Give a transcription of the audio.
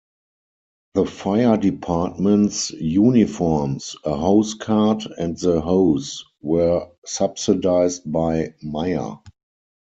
The fire department's uniforms, a hose cart and the hose were subsidized by Meyer.